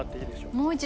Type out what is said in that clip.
もう一度？